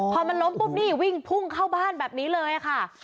พอมันล้มปุ๊บนี่วิ่งพุ่งเข้าบ้านแบบนี้เลยค่ะ